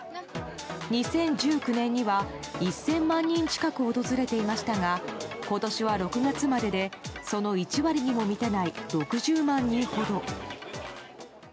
２０１９年には１０００万人近く訪れていましたが今年は６月まででその１割りにも満たない６０万人ほど。